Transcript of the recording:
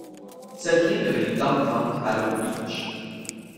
Cette ligne relie Downtown à Long Beach.